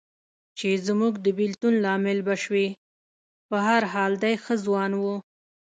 چې زموږ د بېلتون لامل به شوې، په هر حال دی ښه ځوان و.